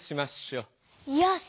よし！